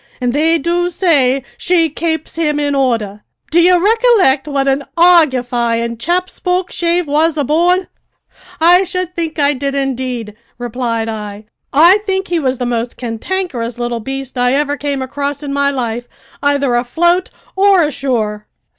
an' they do say she kapes him in order. Do ye rickolict what an argufyin' chap Spokeshave was aboard?" "I should think I did, indeed," replied I. "I think he was the most cantankerous little beast I ever came across in my life, either afloat or ashore!"